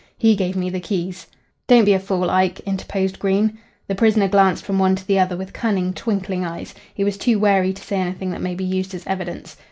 He gave me the keys." "Don't be a fool, Ike," interposed Green. The prisoner glanced from one to the other with cunning, twinkling eyes. He was too wary to say anything that may be used as evidence.